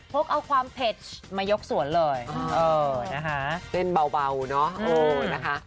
กเอาความเผ็ดมายกสวนเลยเออนะคะเต้นเบาเนอะนะคะ